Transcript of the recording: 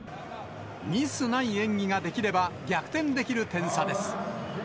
ミスない演技ができれば、逆転できる点差です。